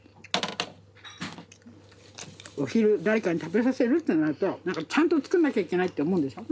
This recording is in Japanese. お昼誰かに食べさせるってなるとちゃんと作んなきゃいけないって思うんでしょ。